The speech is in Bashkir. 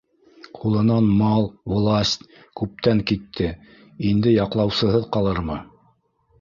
Ҡулынан мал, власть күптән китте, инде яҡлаусыһыҙ ҡалырмы?